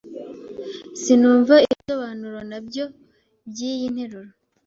Sinumva ibisobanuro nyabyo byiyi nteruro.